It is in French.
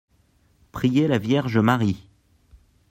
prier la Vierge Marie.